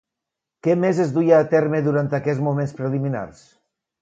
Què més es duia a terme durant aquests moments preliminars?